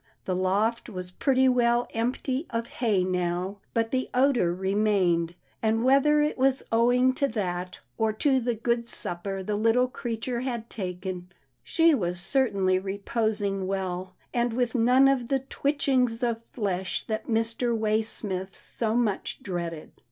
The loft was pretty well empty of hay now, but the odour re mained, and whether it was owing to that, or to the good supper the little creature had taken, she was certainly reposing well, and with none of the twitchings of flesh that Mr. Waysmith so much dreaded.